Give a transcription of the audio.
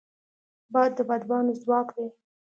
باد د بادبانو ځواک دی